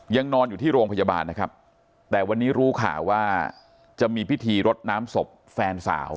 ยังนอนอยู่ที่โรงพยาบาลนะครับแต่วันนี้รู้ข่าวว่าจะมีพิธีรดน้ำศพแฟนสาว